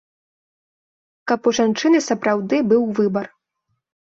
Каб у жанчыны сапраўды быў выбар.